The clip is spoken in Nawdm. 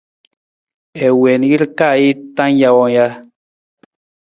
I wiin jir ka ji tang jawang ja?